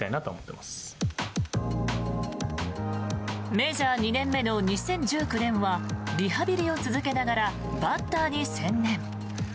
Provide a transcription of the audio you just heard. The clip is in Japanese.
メジャー２年目の２０１９年はリハビリを続けながらバッターに専念。